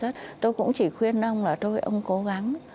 tôi cũng chỉ khuyên ông là thôi ông cố gắng